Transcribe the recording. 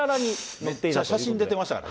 めっちゃ写真出てましたからね。